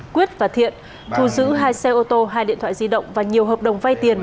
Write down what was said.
quyết và thiện thu giữ hai xe ô tô hai điện thoại di động và nhiều hợp đồng vay tiền